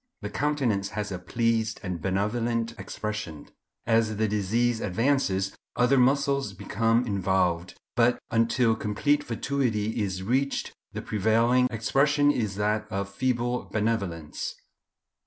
The countenance has a pleased and benevolent expression. As the disease advances other muscles become involved, but until complete fatuity is reached, the prevailing expression is that of feeble benevolence."